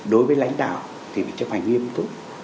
đối với lãnh đạo thì phải chấp hành nghiêm túc